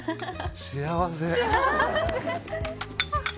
幸せ。